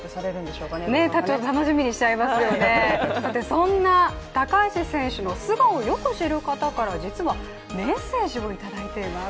そんな高橋選手の素顔をよく知る方から実はメッセージをいただいています。